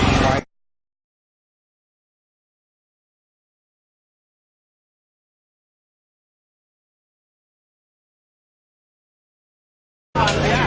กินกว่าอีกแล้วนะครับ